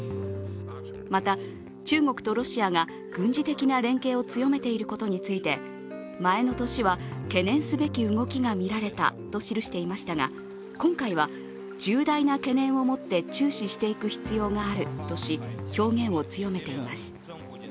また中国とロシアが軍事的な連携を強めていることについて前の年は懸念すべき動きがみられたと記していましたが、今回は、重大な懸念を持って注視していく必要があるとし表現を強めています。